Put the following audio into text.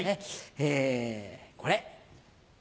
えこれ。